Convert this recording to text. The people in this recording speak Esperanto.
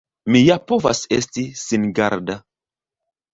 Mi ja povas esti singarda!